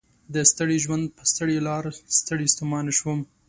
د ستړي ژوند په ستړي لار ستړی ستومان شوم